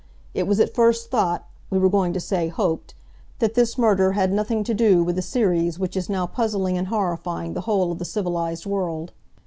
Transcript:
It was at first thought—we were going to say, hoped—that this murder had nothing to do with the series which is now puzzling and horrifying the whole of the civilised world.